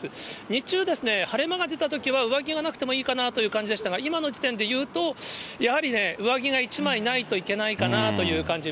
日中、晴れ間が出たときは、上着がなくてもいいかなという感じでしたが、今の時点で言うと、やはりね、上着が１枚ないといけないかなという感じ。